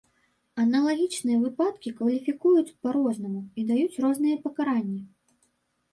Аналагічныя выпадкі кваліфікуюць па-рознаму і даюць розныя пакаранні.